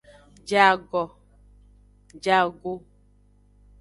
Je ago.